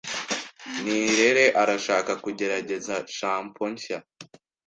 Nirere arashaka kugerageza shampoo nshya.